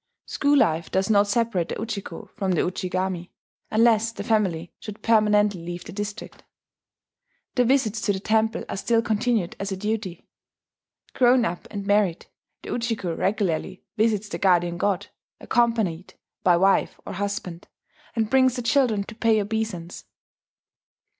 School life does not separate the Ujiko from the Ujigami (unless the family should permanently leave the district); the visits to the temple are still continued as a duty. Grown up and married, the Ujiko regularly visits the guardian god, accompanied by wife or husband, and brings the children to pay obeisance.